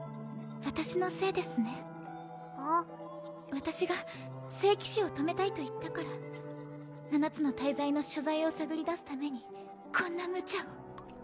私が聖騎士を止めたいと言ったから七つの大罪の所在を探り出すためにこんなむちゃを。